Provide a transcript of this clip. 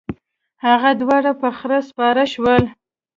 هغوی دواړه په خره سپاره شول.